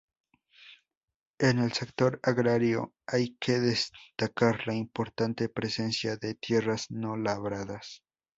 En el sector agrario hay que destacar la importante presencia de tierras no labradas.